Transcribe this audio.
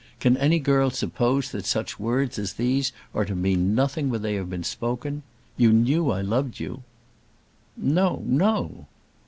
Can any girl suppose that such words as these are to mean nothing when they have been spoken? You knew I loved you." "No; no."